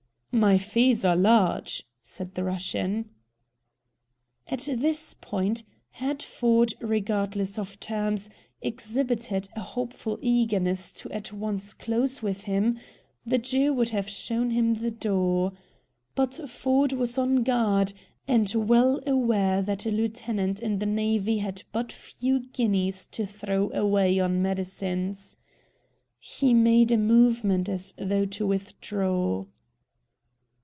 "My fees are large," said the Russian. At this point, had Ford, regardless of terms, exhibited a hopeful eagerness to at once close with him, the Jew would have shown him the door. But Ford was on guard, and well aware that a lieutenant in the navy had but few guineas to throw away on medicines. He made a movement as though to withdraw.